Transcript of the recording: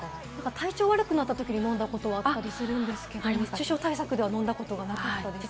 体調が悪くなったときに飲んだことあったりするんですが、熱中症対策では飲んだことなかったです。